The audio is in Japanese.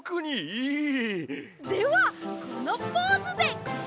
ではこのポーズで！